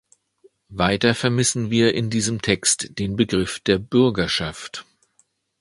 Weiter vermissen wir in diesem Text den Begriff der Bürgerschaft.